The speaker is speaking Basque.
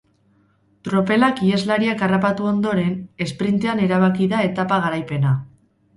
Tropelak iheslariak harrapatu ondoren, esprintean erabaki da etapa garaipena.